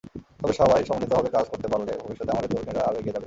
তবে সবাই সমন্বিতভাবে কাজ করতে পারলে ভবিষ্যতে আমাদের তরুণেরা আরও এগিয়ে যাবে।